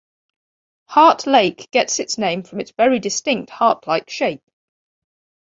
Heart Lake gets its name from its very distinct heart like shape.